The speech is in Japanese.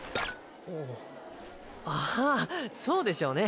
ああそうでしょうね。